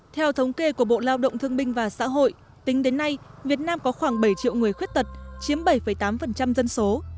theo thống kê của bộ lao động thương binh và xã hội tính đến nay việt nam có khoảng bảy triệu người khuyết tật chiếm bảy tám dân số